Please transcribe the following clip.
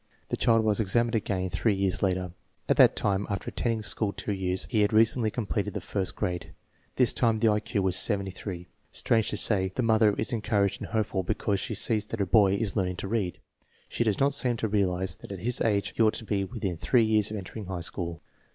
The child was examined again three years later. At that time, after attending school two years, he had recently completed the first grade. This time the I Q was 73. Strange to say, the mother is encouraged and hopeful because she sees that her boy is learning to read. She does not seem to real ize that at his age he ought to be within three years of entering high school.